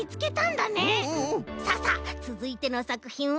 ささっつづいてのさくひんは？